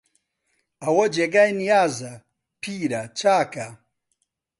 ئەوە جێگای نیازە، پیرە، چاکە